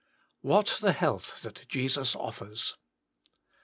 93 WIIAT THE HEALTH THAT JESUS OFFERS.